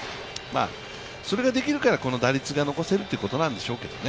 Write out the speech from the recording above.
それができるから、この打率が残せるということなんでしょうけれどもね。